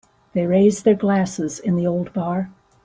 They raised their glasses in the old bar.